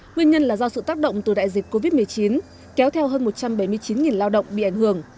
nguyên nhân là do sự tác động từ đại dịch covid một mươi chín kéo theo hơn một trăm bảy mươi chín lao động bị ảnh hưởng